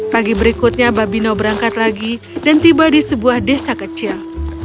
pagi berikutnya babino berangkat lagi dan tiba di sebuah desa kecil